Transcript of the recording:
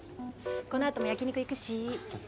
このあとも焼き肉行くし。